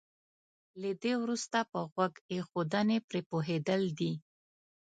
له دې وروسته په غوږ ايښودنې پرې پوهېدل دي.